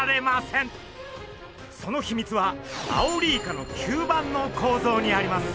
その秘密はアオリイカの吸盤の構造にあります。